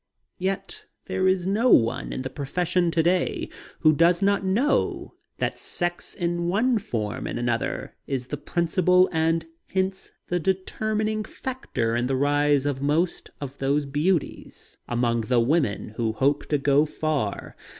Yet there is no one in the profession today who does not know that sex in one form and another is the principal and hence the determining factor in the rise of most of those of beauty among the women who hope to go far.